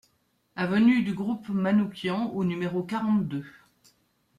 Avenue du Groupe Manouchian au numéro quarante-deux